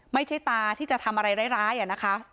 ไม่ใช่ตาที่จะทำอะไรร้ายนะคะ